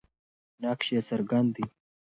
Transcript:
نقش یې څرګند دی.